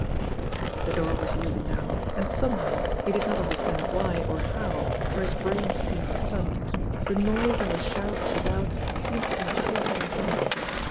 The door was yielding now. And somehow he did not understand why or how for his brain seemed stunned the noise and the shouts without seemed to increase in intensity.